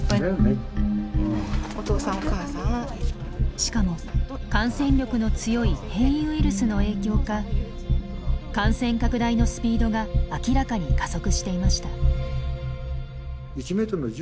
しかも感染力の強い変異ウイルスの影響か感染拡大のスピードが明らかに加速していました。